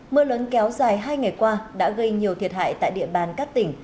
mưa lớn kéo dài hai ngày qua đã gây nhiều thiệt hại tại địa bàn các tỉnh